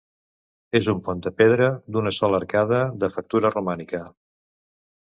És un pont de pedra d'una sola arcada, de factura romànica.